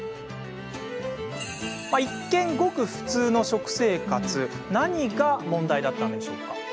一見、ごく普通の食生活何が問題だったのでしょうか？